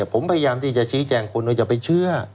ผมพยายามที่จะชี้แจงคุณว่าจะไปเชื่อ